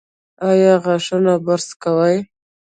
ایا غاښونه برس کوي؟